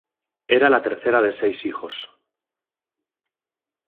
Era la tercera de seis hijos.